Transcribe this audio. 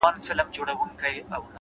• اوس مي ذهن كي دا سوال د چا د ياد،